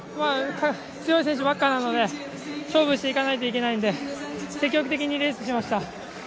強い選手ばっかなので勝負していかないといけないんで積極的にレースをしました。